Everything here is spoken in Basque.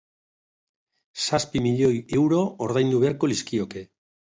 Zazpi milioi euro ordaindu beharko lizkioke.